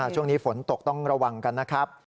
ช่วงนี้ฝนตกต้องระวังกันนะครับ